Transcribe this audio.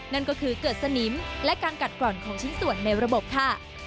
นั่นก็คือเกิดสนิมและการกัดกร่อนของชิ้นส่วนในระบบค่ะ